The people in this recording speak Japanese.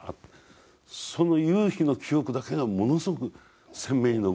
その夕日の記憶だけがものすごく鮮明に残ってるんですね。